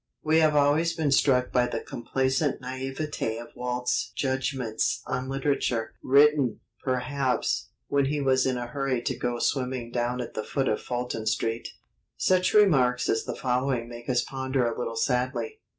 We have always been struck by the complacent naïveté of Walt's judgments on literature (written, perhaps, when he was in a hurry to go swimming down at the foot of Fulton Street). Such remarks as the following make us ponder a little sadly.